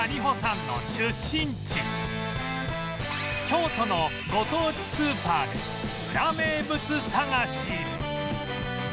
京都のご当地スーパーでウラ名物探し